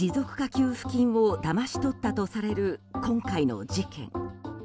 給付金をだまし取ったとされる今回の事件。